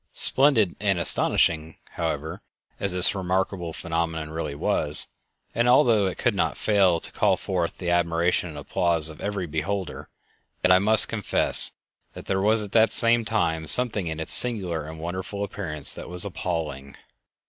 Splendid and astonishing, however, as this remarkable phenomenon really was, and although it could not fail to call forth the admiration and applause of every beholder, yet I must confess that there was at the same time something in its singular and wonderful appearance that was appalling...